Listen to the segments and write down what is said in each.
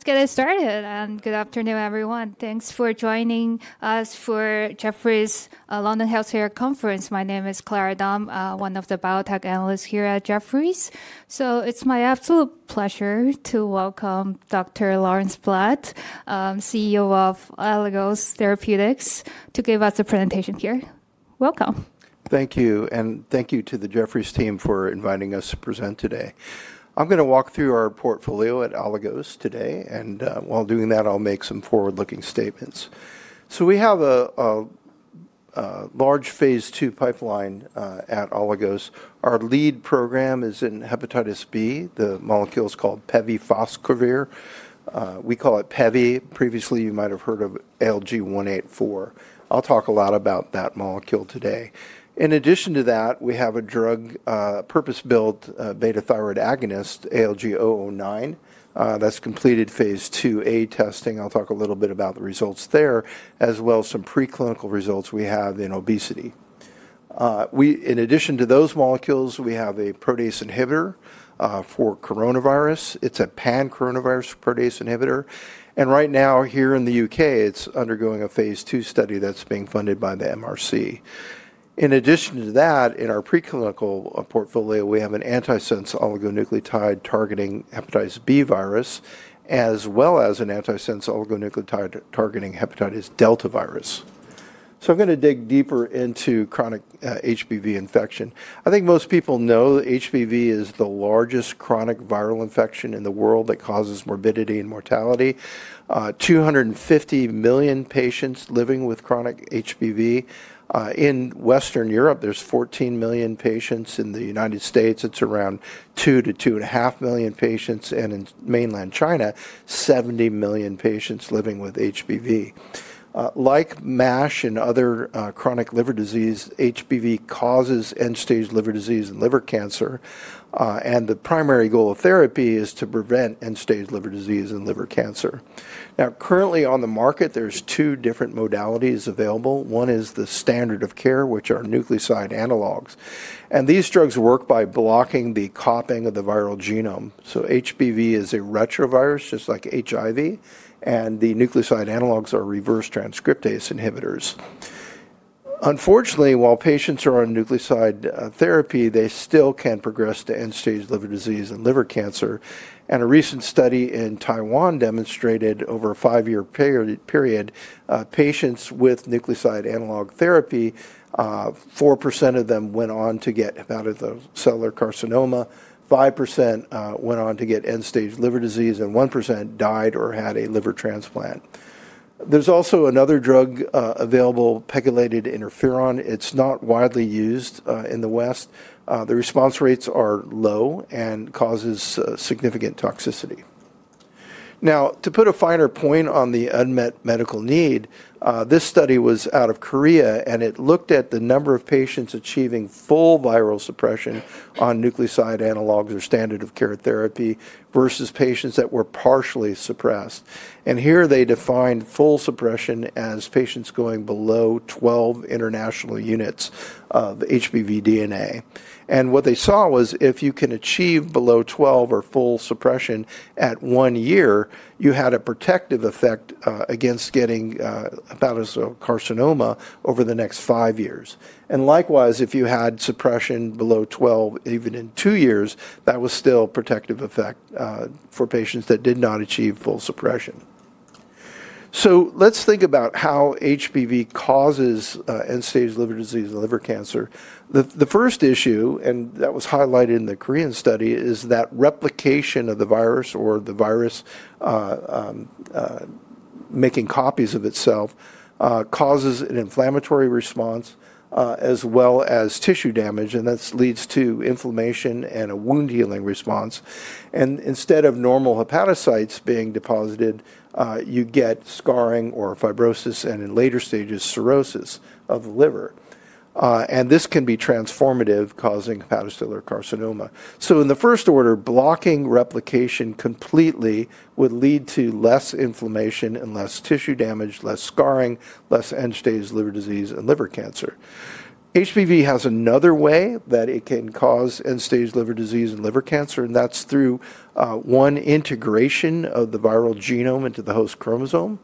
All right, let's get it started. Good afternoon, everyone. Thanks for joining us for Jefferies' London Healthcare Conference. My name is Clara Dahm, one of the biotech analysts here at Jefferies. It's my absolute pleasure to welcome Dr. Lawrence Blatt, CEO of Aligos Therapeutics, to give us a presentation here. Welcome. Thank you. Thank you to the Jefferies team for inviting us to present today. I'm going to walk through our portfolio at Aligos today. While doing that, I'll make some forward-looking statements. We have a large phase II pipeline at Aligos. Our lead program is in hepatitis B. The molecule is called pevifoscorvir. We call it pevi. Previously, you might have heard of ALG-000184. I'll talk a lot about that molecule today. In addition to that, we have a drug, purpose-built beta thyroid agonist, ALG-009, that's completed phase II-A testing. I'll talk a little bit about the results there, as well as some preclinical results we have in obesity. In addition to those molecules, we have a protease inhibitor for coronavirus. It's a pan-coronavirus protease inhibitor. Right now, here in the U.K., it's undergoing a phase II study that's being funded by the MRC. In addition to that, in our preclinical portfolio, we have an antisense oligonucleotide targeting hepatitis B virus, as well as an antisense oligonucleotide targeting hepatitis delta virus. So I'm going to dig deeper into chronic HBV infection. I think most people know that HBV is the largest chronic viral infection in the world that causes morbidity and mortality. 250 million patients living with chronic HBV. In Western Europe, there's 14 million patients. In the United States, it's around 2-2.5 million patients. In mainland China, 70 million patients living with HBV. Like MASH and other chronic liver disease, HBV causes end-stage liver disease and liver cancer. The primary goal of therapy is to prevent end-stage liver disease and liver cancer. Now, currently on the market, there's two different modalities available. One is the standard of care, which are nucleoside analogs. These drugs work by blocking the copying of the viral genome. HBV is a retrovirus, just like HIV. The nucleoside analogs are reverse transcriptase inhibitors. Unfortunately, while patients are on nucleoside therapy, they still can progress to end-stage liver disease and liver cancer. A recent study in Taiwan demonstrated over a five-year period, patients with nucleoside analog therapy, 4% of them went on to get hepatocellular carcinoma, 5% went on to get end-stage liver disease, and 1% died or had a liver transplant. There is also another drug available, pegylated interferon. It is not widely used in the West. The response rates are low and causes significant toxicity. Now, to put a finer point on the unmet medical need, this study was out of Korea, and it looked at the number of patients achieving full viral suppression on nucleoside analogs or standard of care therapy versus patients that were partially suppressed. Here they defined full suppression as patients going below 12 international units of HBV DNA. What they saw was if you can achieve below 12 or full suppression at one year, you had a protective effect against getting hepatocellular carcinoma over the next five years. Likewise, if you had suppression below 12, even in two years, that was still a protective effect for patients that did not achieve full suppression. Let's think about how HBV causes end-stage liver disease and liver cancer. The first issue, and that was highlighted in the Korean study, is that replication of the virus or the virus making copies of itself causes an inflammatory response as well as tissue damage. This leads to inflammation and a wound healing response. Instead of normal hepatocytes being deposited, you get scarring or fibrosis and, in later stages, cirrhosis of the liver. This can be transformative, causing hepatocellular carcinoma. In the first order, blocking replication completely would lead to less inflammation and less tissue damage, less scarring, less end-stage liver disease and liver cancer. HBV has another way that it can cause end-stage liver disease and liver cancer, and that's through, one, integration of the viral genome into the host chromosome,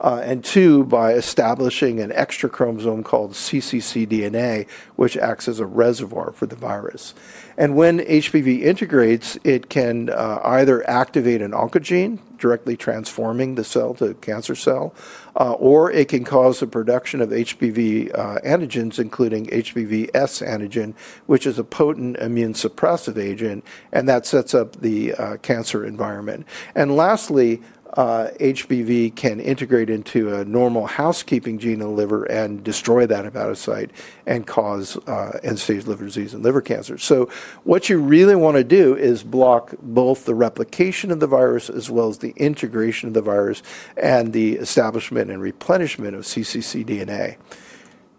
and two, by establishing an extra chromosome called cccDNA, which acts as a reservoir for the virus. When HBV integrates, it can either activate an oncogene, directly transforming the cell to a cancer cell, or it can cause the production of HBV antigens, including HBsAg, which is a potent immune suppressive agent, and that sets up the cancer environment. Lastly, HBV can integrate into a normal housekeeping gene in the liver and destroy that hepatocyte and cause end-stage liver disease and liver cancer. What you really want to do is block both the replication of the virus as well as the integration of the virus and the establishment and replenishment of cccDNA.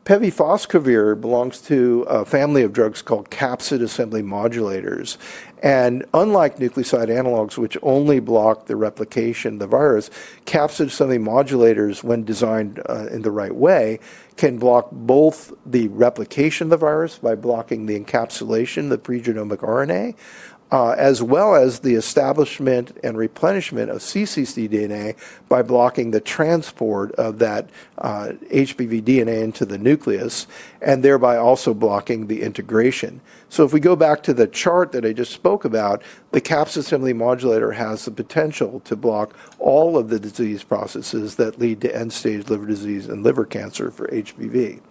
Pevifoscorvir belongs to a family of drugs called capsid assembly modulators. Unlike nucleoside analogs, which only block the replication of the virus, capsid assembly modulators, when designed in the right way, can block both the replication of the virus by blocking the encapsulation of the pregenomic RNA, as well as the establishment and replenishment of cccDNA by blocking the transport of that HBV DNA into the nucleus and thereby also blocking the integration. If we go back to the chart that I just spoke about, the capsid assembly modulator has the potential to block all of the disease processes that lead to end-stage liver disease and liver cancer for HBV.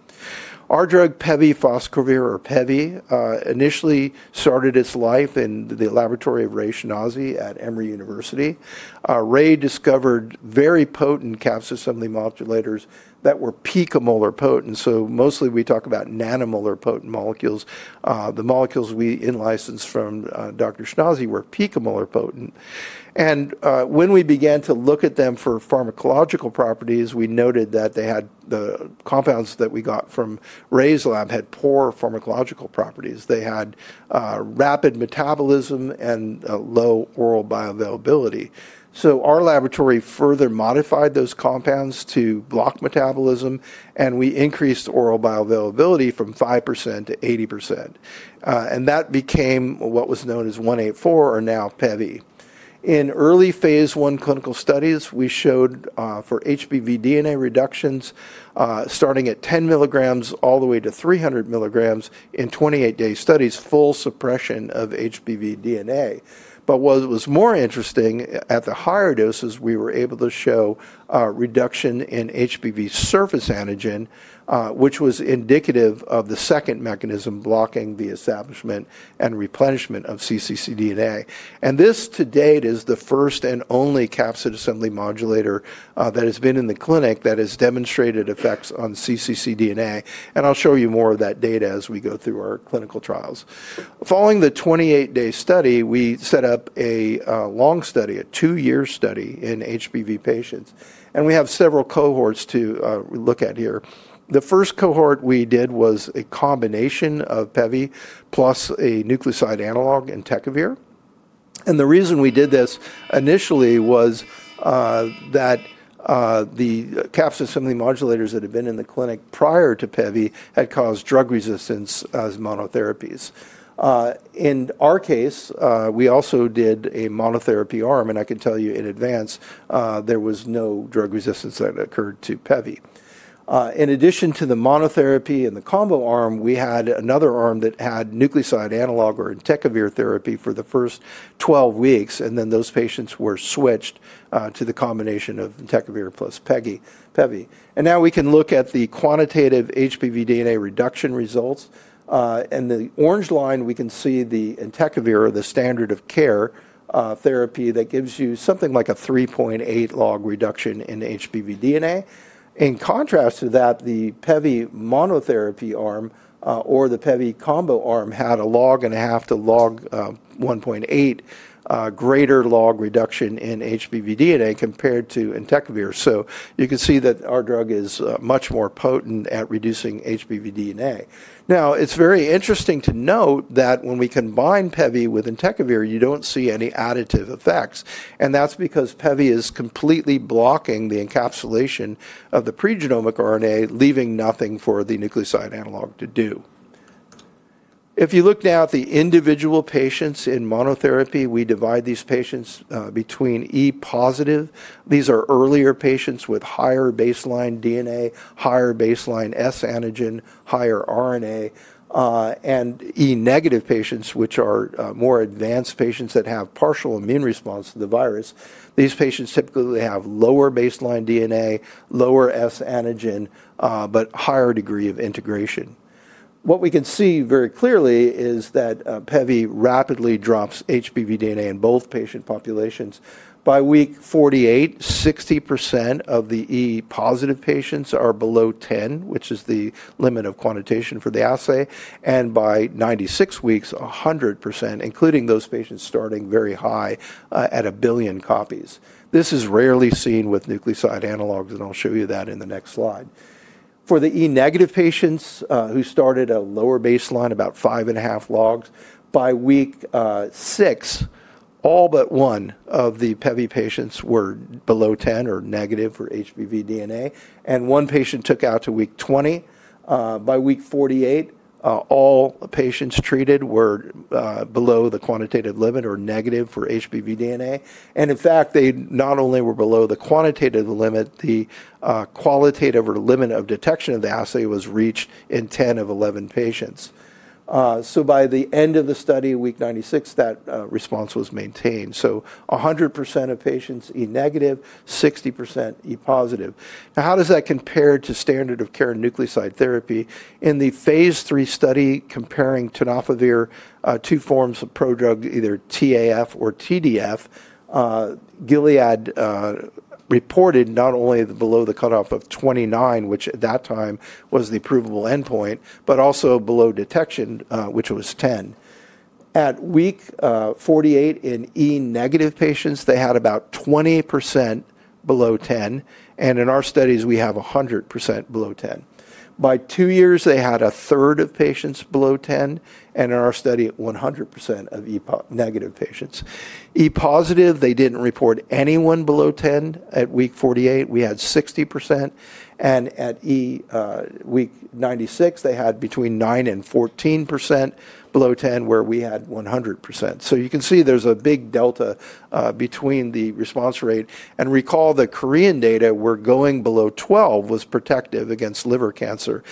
Our drug, pevifoscorvir, or pevy, initially started its life in the laboratory of Raymond Schinazi at Emory University. Ray discovered very potent capsid assembly modulators that were picomolar potent. Mostly we talk about nanomolar potent molecules. The molecules we licensed from Dr. Schinazi were picomolar potent. When we began to look at them for pharmacological properties, we noted that the compounds that we got from Ray's lab had poor pharmacological properties. They had rapid metabolism and low oral bioavailability. Our laboratory further modified those compounds to block metabolism, and we increased oral bioavailability from 5%-80%. That became what was known as 184, or now pevi. In early phase I clinical studies, we showed for HBV DNA reductions starting at 10 mg all the way to 300 mg in 28-day studies, full suppression of HBV DNA. What was more interesting, at the higher doses, we were able to show reduction in HBV surface antigen, which was indicative of the second mechanism blocking the establishment and replenishment of cccDNA. This to date is the first and only capsid assembly modulator that has been in the clinic that has demonstrated effects on cccDNA. I'll show you more of that data as we go through our clinical trials. Following the 28-day study, we set up a long study, a two-year study in HBV patients. We have several cohorts to look at here. The first cohort we did was a combination of pevi plus a nucleoside analog and tenofovir. The reason we did this initially was that the capsid assembly modulators that had been in the clinic prior to pevy had caused drug resistance as monotherapies. In our case, we also did a monotherapy arm. I can tell you in advance, there was no drug resistance that occurred to pevy. In addition to the monotherapy and the combo arm, we had another arm that had nucleoside analog or tenofovir therapy for the first 12 weeks. Those patients were switched to the combination of tenofovir plus pevy. Now we can look at the quantitative HBV DNA reduction results. In the orange line, we can see the tenofovir, the standard of care therapy that gives you something like a 3.8 log reduction in HBV DNA. In contrast to that, the pevy monotherapy arm or the pevy combo arm had a log and a half to log 1.8 greater log reduction in HBV DNA compared to tenofovir. You can see that our drug is much more potent at reducing HBV DNA. Now, it's very interesting to note that when we combine pevy with tenofovir, you do not see any additive effects. That is because pevy is completely blocking the encapsulation of the pregenomic RNA, leaving nothing for the nucleoside analog to do. If you look now at the individual patients in monotherapy, we divide these patients between E positive. These are earlier patients with higher baseline DNA, higher baseline S antigen, higher RNA, and E negative patients, which are more advanced patients that have partial immune response to the virus. These patients typically have lower baseline DNA, lower S antigen, but a higher degree of integration. What we can see very clearly is that pevy rapidly drops HBV DNA in both patient populations. By week 48, 60% of the E positive patients are below 10, which is the limit of quantitation for the assay. By 96 weeks, 100%, including those patients starting very high at a billion copies. This is rarely seen with nucleoside analogs. I'll show you that in the next slide. For the E negative patients who started at a lower baseline, about 5 and a half logs, by week 6, all but one of the pevy patients were below 10 or negative for HBV DNA. One patient took out to week 20. By week 48, all patients treated were below the quantitative limit or negative for HBV DNA. In fact, they not only were below the quantitative limit, the qualitative or limit of detection of the assay was reached in 10 of 11 patients. By the end of the study, week 96, that response was maintained. 100% of patients E negative, 60% E positive. Now, how does that compare to standard of care nucleoside therapy? In the phase III study comparing tenofovir, two forms of pro drug, either TAF or TDF, Gilead reported not only below the cutoff of 29, which at that time was the provable endpoint, but also below detection, which was 10. At week 48 in E negative patients, they had about 20% below 10. In our studies, we have 100% below 10. By two years, they had a third of patients below 10. In our study, 100% of E negative patients. E positive, they did not report anyone below 10. At week 48, we had 60%. At week 96, they had between 9-14% below 10, where we had 100%. You can see there is a big delta between the response rate. Recall the Korean data where going below 12 was protective against liver cancer.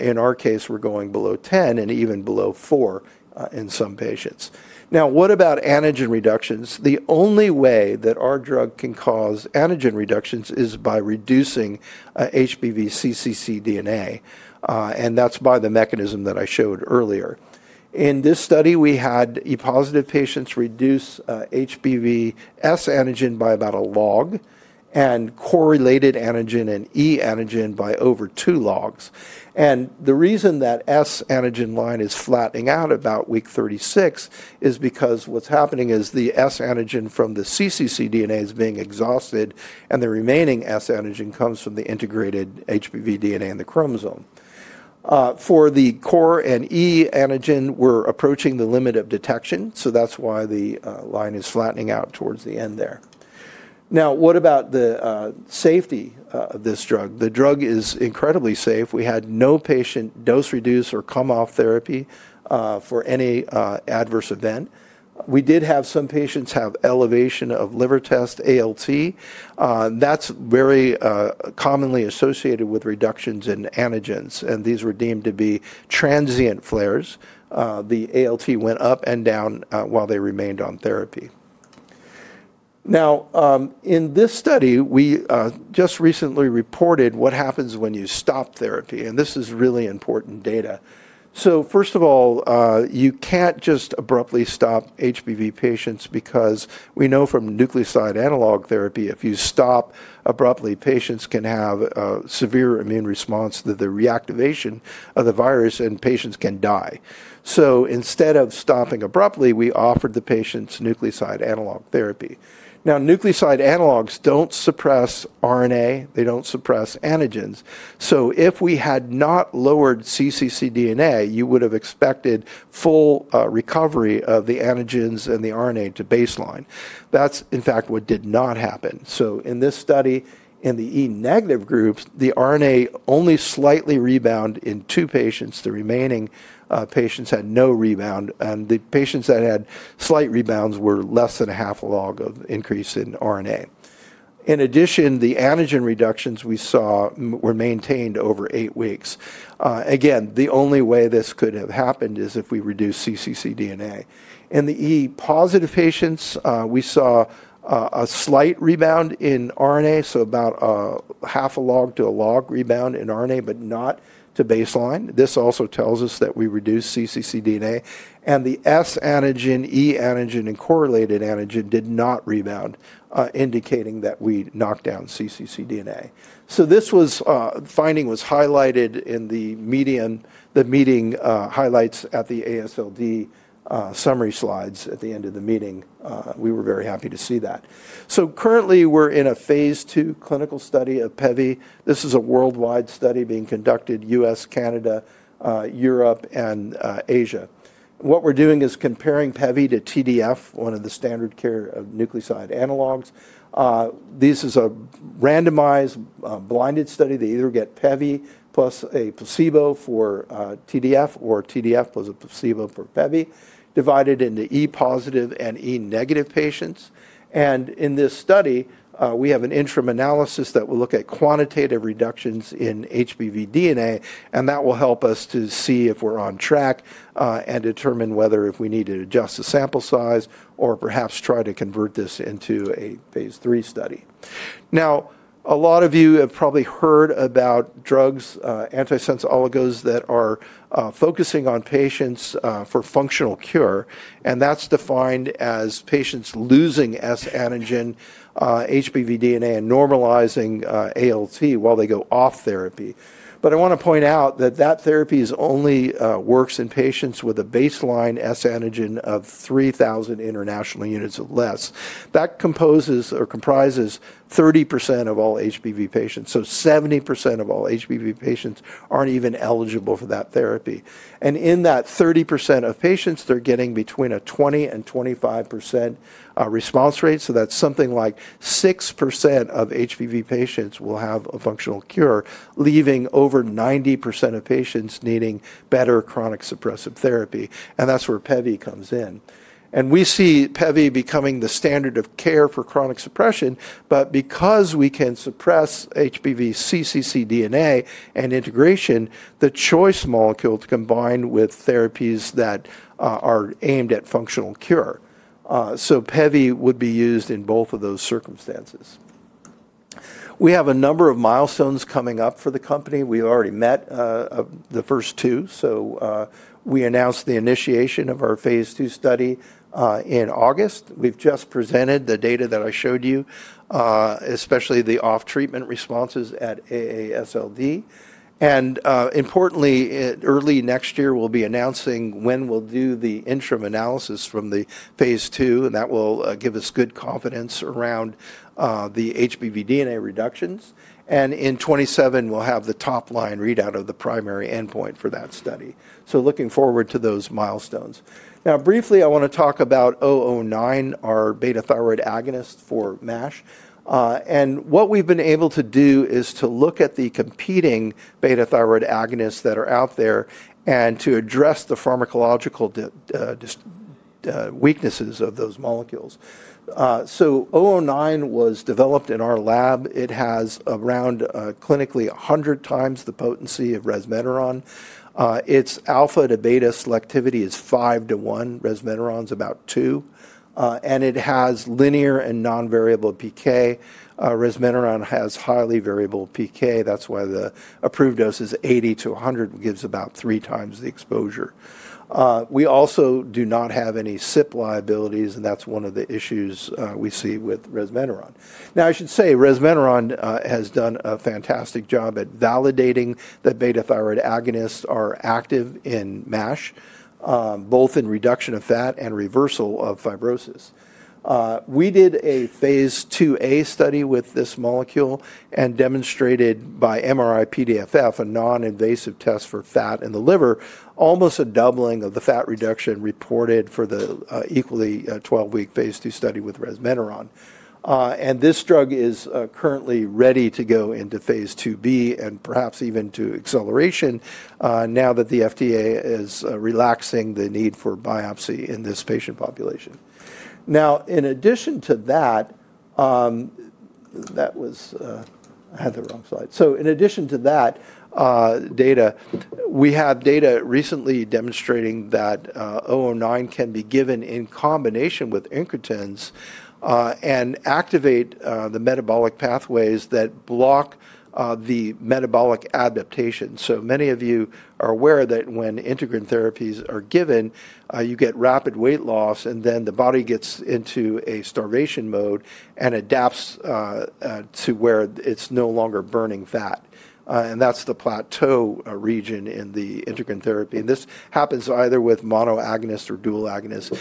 In our case, we're going below 10 and even below 4 in some patients. Now, what about antigen reductions? The only way that our drug can cause antigen reductions is by reducing HBV cccDNA. That is by the mechanism that I showed earlier. In this study, we had E positive patients reduce HBV S antigen by about a log and correlated antigen and E antigen by over two logs. The reason that S antigen line is flattening out about week 36 is because what's happening is the S antigen from the cccDNA is being exhausted, and the remaining S antigen comes from the integrated HBV DNA in the chromosome. For the core and E antigen, we're approaching the limit of detection. That is why the line is flattening out towards the end there. Now, what about the safety of this drug? The drug is incredibly safe. We had no patient dose-reduced or come off therapy for any adverse event. We did have some patients have elevation of liver test ALT. That is very commonly associated with reductions in antigens. These were deemed to be transient flares. The ALT went up and down while they remained on therapy. In this study, we just recently reported what happens when you stop therapy. This is really important data. First of all, you cannot just abruptly stop HBV patients because we know from nucleoside analog therapy, if you stop abruptly, patients can have a severe immune response to the reactivation of the virus, and patients can die. Instead of stopping abruptly, we offered the patients nucleoside analog therapy. Nucleoside analogs do not suppress RNA. They do not suppress antigens. If we had not lowered cccDNA, you would have expected full recovery of the antigens and the RNA to baseline. That is, in fact, what did not happen. In this study, in the E negative groups, the RNA only slightly rebounded in two patients. The remaining patients had no rebound. The patients that had slight rebounds were less than half a log of increase in RNA. In addition, the antigen reductions we saw were maintained over eight weeks. Again, the only way this could have happened is if we reduced cccDNA. In the E positive patients, we saw a slight rebound in RNA, so about half a log to a log rebound in RNA, but not to baseline. This also tells us that we reduced cccDNA. The S antigen, E antigen, and correlated antigen did not rebound, indicating that we knocked down cccDNA. This finding was highlighted in the meeting highlights at the AASLD summary slides at the end of the meeting. We were very happy to see that. Currently, we're in a phase II clinical study of pevy. This is a worldwide study being conducted in the U.S., Canada, Europe, and Asia. What we're doing is comparing pevy to TDF, one of the standard care nucleoside analogs. This is a randomized blinded study. They either get pevy plus a placebo for TDF or TDF plus a placebo for pevy, divided into E positive and E negative patients. In this study, we have an interim analysis that will look at quantitative reductions in HBV DNA. That will help us to see if we're on track and determine whether we need to adjust the sample size or perhaps try to convert this into a phase III study. A lot of you have probably heard about drugs, antisense oligos that are focusing on patients for functional cure. That is defined as patients losing S antigen, HBV DNA, and normalizing ALT while they go off therapy. I want to point out that that therapy only works in patients with a baseline S antigen of 3,000 international units or less. That composes or comprises 30% of all HBV patients. 70% of all HBV patients are not even eligible for that therapy. In that 30% of patients, they are getting between a 20%-25% response rate. That's something like 6% of HBV patients will have a functional cure, leaving over 90% of patients needing better chronic suppressive therapy. That's where pevy comes in. We see pevy becoming the standard of care for chronic suppression. Because we can suppress HBV cccDNA and integration, it's the choice molecule to combine with therapies that are aimed at functional cure. pevy would be used in both of those circumstances. We have a number of milestones coming up for the company. We already met the first two. We announced the initiation of our phase II study in August. We've just presented the data that I showed you, especially the off-treatment responses at AASLD. Importantly, early next year, we'll be announcing when we'll do the interim analysis from the phase II. That will give us good confidence around the HBV DNA reductions. In 2027, we'll have the top line readout of the primary endpoint for that study. Looking forward to those milestones. Now, briefly, I want to talk about ALG-009, our beta thyroid agonist for MASH. What we've been able to do is to look at the competing beta thyroid agonists that are out there and to address the pharmacological weaknesses of those molecules. ALG-009 was developed in our lab. It has around clinically 100 times the potency of resmetirom. Its alpha to beta selectivity is 5 to 1. Resmetirom is about 2. It has linear and non-variable PK. Resmetirom has highly variable PK. That's why the approved dose is 80-100, which gives about three times the exposure. We also do not have any CYP liabilities. That's one of the issues we see with resmetirom. Now, I should say resmetirom has done a fantastic job at validating that beta thyroid agonists are active in MASH, both in reduction of fat and reversal of fibrosis. We did a phase II-A study with this molecule and demonstrated by MRI-PDFF, a non-invasive test for fat in the liver, almost a doubling of the fat reduction reported for the equally 12-week phase II study with resmetirom. This drug is currently ready to go into phase II-B and perhaps even to acceleration now that the FDA is relaxing the need for biopsy in this patient population. In addition to that, that was I had the wrong slide. In addition to that data, we have data recently demonstrating that ALG-009 can be given in combination with incretins and activate the metabolic pathways that block the metabolic adaptation. Many of you are aware that when incretin therapies are given, you get rapid weight loss. The body gets into a starvation mode and adapts to where it's no longer burning fat. That is the plateau region in the incretin therapy. This happens either with mono agonist or dual agonist.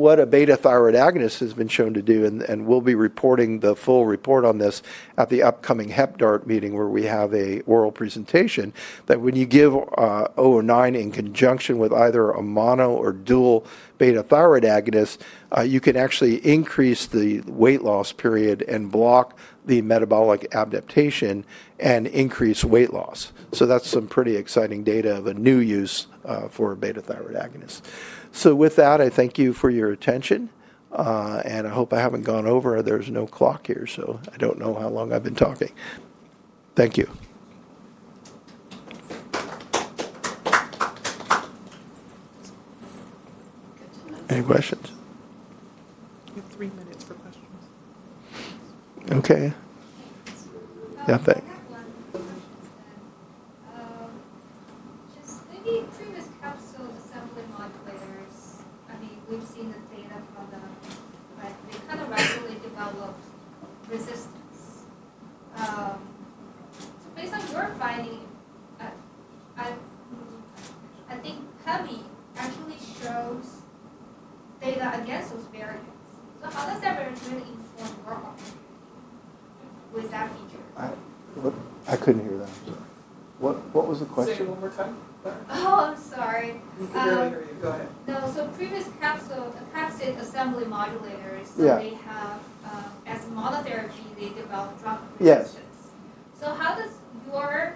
What a beta thyroid agonist has been shown to do, and we'll be reporting the full report on this at the upcoming Hep-DART meeting where we have an oral presentation, is that when you give ALG-009 in conjunction with either a mono or dual beta thyroid agonist, you can actually increase the weight loss period and block the metabolic adaptation and increase weight loss. That is some pretty exciting data of a new use for beta thyroid agonist. With that, I thank you for your attention. I hope I haven't gone over. There's no clock here. So I don't know how long I've been talking. Thank you. Any questions? We have three minutes pevy actually shows data against those variants. How does that variant really inform your opinion with that feature? I couldn't hear that. What was the question? Say it one more time. Oh, I'm sorry. You can go ahead. No, so previous capsid assembly modulators, they have as monotherapy, they develop drug reactions. How does your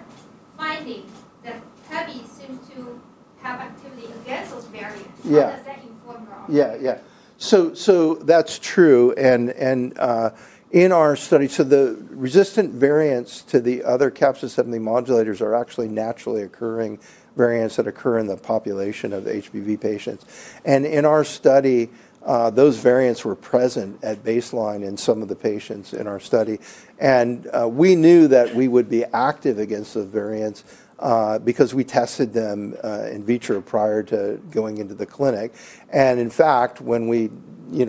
finding that pevy seems to have activity against those variants, how does that inform your opinion? Yeah, yeah. So that's true. In our study, the resistant variants to the other capsid assembly modulators are actually naturally occurring variants that occur in the population of HBV patients. In our study, those variants were present at baseline in some of the patients in our study. We knew that we would be active against those variants because we tested them in vitro prior to going into the clinic. In fact, when we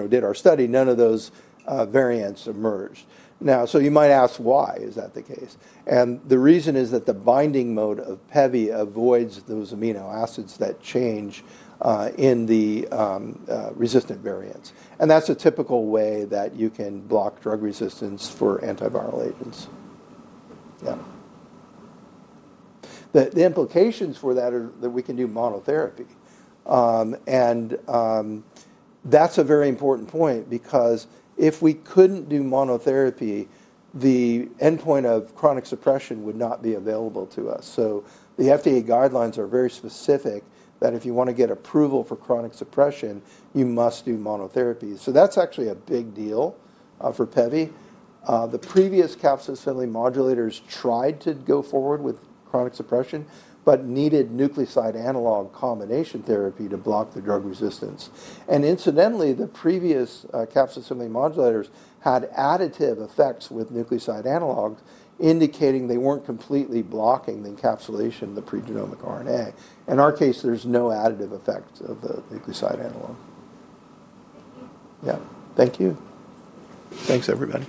did our study, none of those variants emerged. You might ask why is that the case? The reason is that the binding mode of pevy avoids those amino acids that change in the resistant variants. That is a typical way that you can block drug resistance for antiviral agents. The implications for that are that we can do monotherapy. That is a very important point because if we could not do monotherapy, the endpoint of chronic suppression would not be available to us. The FDA guidelines are very specific that if you want to get approval for chronic suppression, you must do monotherapy. That is actually a big deal for pevy. The previous capsid assembly modulators tried to go forward with chronic suppression but needed nucleoside analog combination therapy to block the drug resistance. Incidentally, the previous capsid assembly modulators had additive effects with nucleoside analog, indicating they were not completely blocking the encapsulation of the pregenomic RNA. In our case, there is no additive effect of the nucleoside analog. Thank you. Yeah, Thank you. Thanks, everybody.